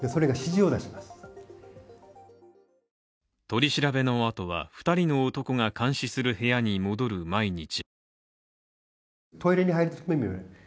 取り調べのあとは２人の男が監視する部屋に戻る毎日。